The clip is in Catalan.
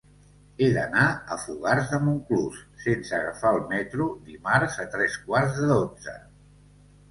He d'anar a Fogars de Montclús sense agafar el metro dimarts a tres quarts de dotze.